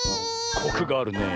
コクがあるねえ。